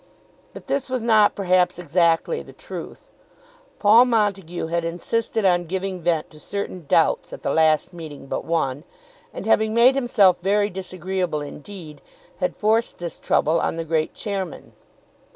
But this was not perhaps exactly the truth. Paul Montague had insisted on giving vent to certain doubts at the last meeting but one, and, having made himself very disagreeable indeed, had forced this trouble on the great chairman.